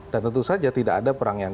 dan tentu saja tidak ada perang yang